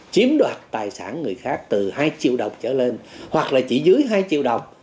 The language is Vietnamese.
chiếm đoạt tài sản người khác từ hai triệu đồng trở lên hoặc là chỉ dưới hai triệu đồng